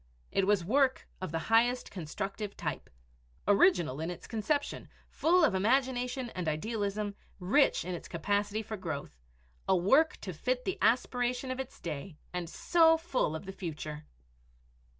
It was work of the highest constructive type original in its conception, full of imagination and idealism, rich in its capacity for growth a work to fit the aspiration of its day and so full of the future!